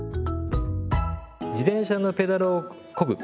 自転車のペダルをこぐ。